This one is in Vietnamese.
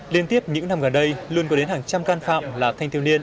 liên tiếp những năm gần đây luôn có đến hàng trăm can phạm là thanh thiếu niên